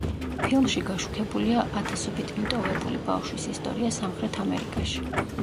ფილმში გაშუქებულია ათასობით მიტოვებული ბავშვის ისტორია სამხრეთ ამერიკაში.